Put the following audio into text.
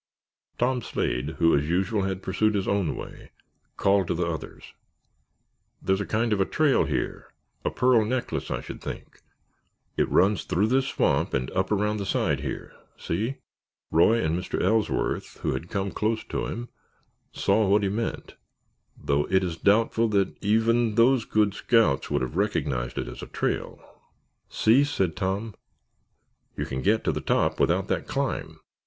Tom Slade who, as usual, had pursued his own way, called to the others, "There's a kind of a trail here—a pearl necklace, I should think. It runs through this swamp and up around the side there. See?" Roy and Mr. Ellsworth, who had come close to him, saw what he meant, though it is doubtful if even those good scouts would have recognized it as a trail. "See?" said Tom, "you can get to the top without that climb.